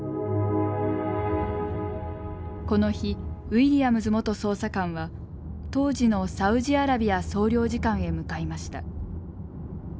この日ウィリアムズ元捜査官は当時のサウジアラビア総領事館へ向かいました。